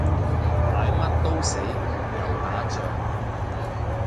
買乜都死，又打仗